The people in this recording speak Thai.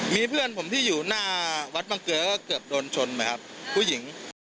มีเพื่อนผมที่อยู่หน้าวัดบังเกลือก็เกือบโดนชนไหมครับผู้หญิง